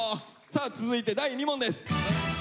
さあ続いて第２問です。